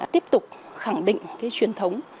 tiếp tục khẳng định cái truyền thống